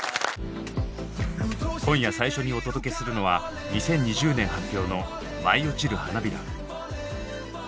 今夜最初にお届けするのは２０２０年発表の「舞い落ちる花びら」。